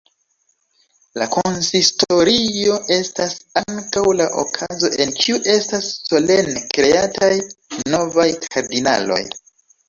La konsistorio estas ankaŭ la okazo en kiu estas solene "kreataj" novaj kardinaloj.